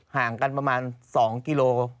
ห่างกันประมาณ๒กิโล